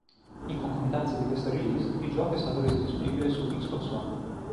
In concomitanza di questa release, il gioco è stato reso disponibile su Xbox One.